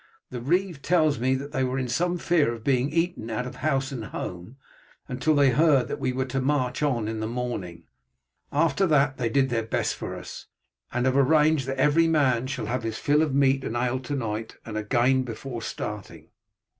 The reeve tells me that they were in some fear of being eaten out of house and home until they heard that we were to march on in the morning; after that they did their best for us, and have arranged that every man shall have his fill of meat and ale to night, and again before starting."